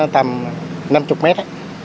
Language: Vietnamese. tầm năm mươi mét